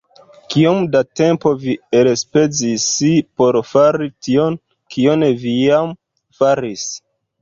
Kiom da tempo vi elspezis por fari tion, kion vi jam faris?